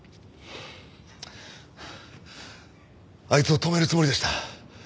あいつを止めるつもりでした。